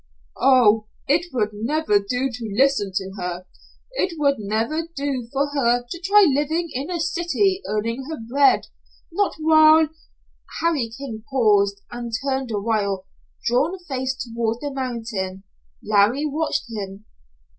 "Oh, it would never do to listen to her. It would never do for her to try living in a city earning her bread not while " Harry King paused and turned a white, drawn face toward the mountain. Larry watched him.